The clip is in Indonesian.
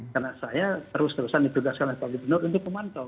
karena saya terus terusan ditugaskan oleh pak gubernur untuk memantau